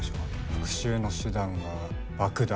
復讐の手段は爆弾。